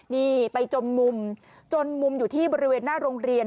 นี่ไปจมมุมจนมุมอยู่ที่บริเวณหน้าโรงเรียน